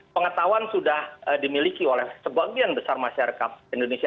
pengetahuan sudah dimiliki oleh sebagian besar masyarakat indonesia